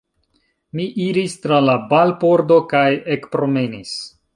Mi iris tra la barpordo kaj ekpromenis.